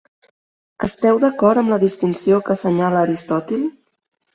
Esteu d'acord amb la distinció que assenyala Aristòtil?